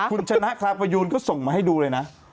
คุณชนะครับประยูนก็ส่งมาให้ดูเลยนะ